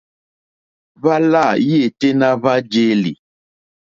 Hwá lâ yêténá hwá jēlì.